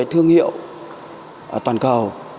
thương hiệu toàn cầu